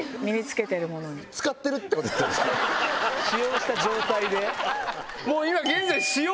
使用した状態で？